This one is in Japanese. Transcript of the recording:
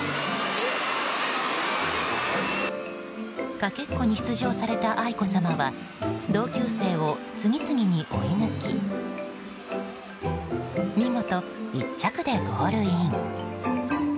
かけっこに出場された愛子さまは同級生を次々に追い抜き見事１着でゴールイン。